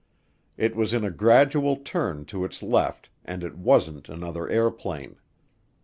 It was in a gradual turn to its left, and it wasn't another airplane.